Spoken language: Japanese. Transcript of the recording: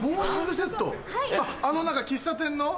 あの何か喫茶店の？